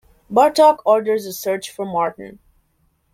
Bartok orders a search for Martin.